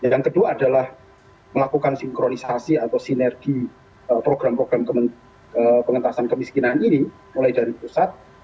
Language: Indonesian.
yang kedua adalah melakukan sinkronisasi atau sinergi program program pengentasan kemiskinan ini mulai dari pusat